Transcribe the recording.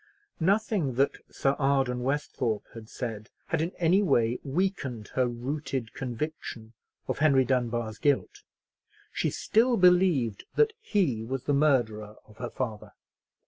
Nothing that Sir Arden Westhorpe had said had in any way weakened her rooted conviction of Henry Dunbar's guilt. She still believed that he was the murderer of her father.